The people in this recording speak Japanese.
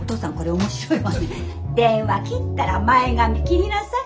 電話切ったら前髪切りなさい。